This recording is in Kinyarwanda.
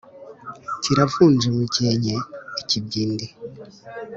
Kiravunja umukenke-Ikibyindi.